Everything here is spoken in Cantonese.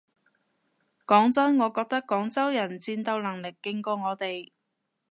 講真我覺得廣州人戰鬥能力勁過我哋